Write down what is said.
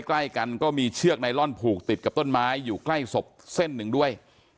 ใกล้กันก็มีเชือกไนลอนผูกติดกับต้นไม้อยู่ใกล้ศพเส้นหนึ่งด้วย